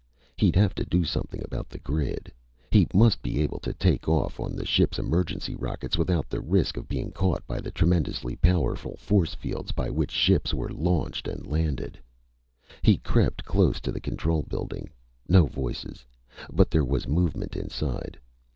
He'd have to do something about the grid. He must be able to take off on the ship's emergency rockets without the risk of being caught by the tremendously powerful force fields by which ships were launched and landed. He crept close to the control building. No voices, but there was movement inside.